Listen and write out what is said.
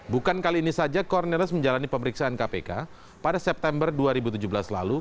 bukan kali ini saja corners menjalani pemeriksaan kpk pada september dua ribu tujuh belas lalu